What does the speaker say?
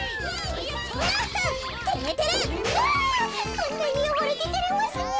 こんなによごれててれますねえ。